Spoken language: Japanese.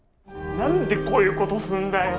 何でこういうことすんだよ。